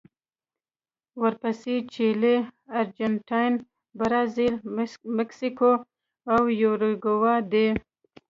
ورپسې چیلي، ارجنټاین، برازیل، مکسیکو او یوروګوای دي.